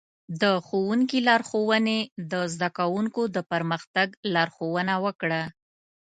د ښوونکي لارښوونې د زده کوونکو د پرمختګ لارښوونه وکړه.